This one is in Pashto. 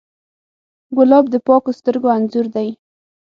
ګلاب د پاکو سترګو انځور دی.